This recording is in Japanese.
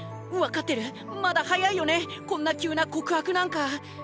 分かってるまだ早いよねこんな急な告白なんか。